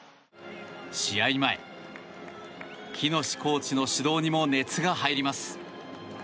試合前、喜熨斗コーチの指導にも熱が入ります。